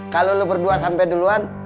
kalau lo berdua sampai duluan